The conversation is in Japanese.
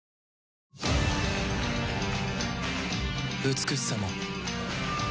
美しさも